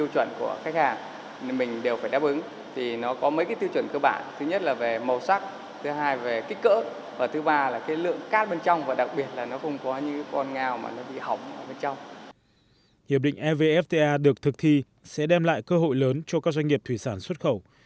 hiệp định evfta được thực thi sẽ đem lại cơ hội lớn cho các doanh nghiệp thủy sản xuất khẩu